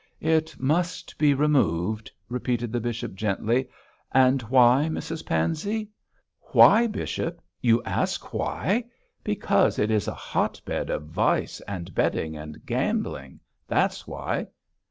'It must be removed,' repeated the bishop, gently; 'and why, Mrs Pansey?' 'Why, bishop? You ask why? Because it is a hot bed of vice and betting and gambling; that's why!'